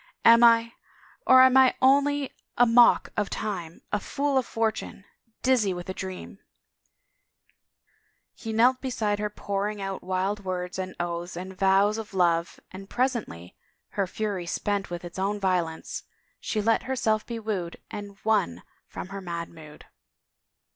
"Am I? ... Or am I only a mock of time, a fool of fortune, dizzy with a dream ?" He knelt beside her pouring out wild words and oaths and vows of love and presently, her fury spent with its own violence, she let herself be wooed and won from her mad mood.